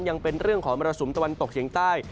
ยังเป็นเรื่องของมรสุมตะวันตกเฉียงใต้